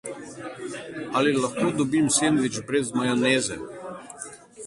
Ali lahko dobim sendvič brez majoneze?